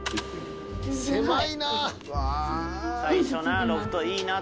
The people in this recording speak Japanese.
狭いな！